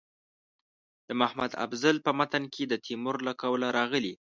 د محمد افضل په متن کې د تیمور له قوله راغلي.